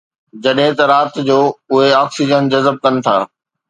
جڏهن ته رات جو اهي آڪسيجن جذب ڪن ٿا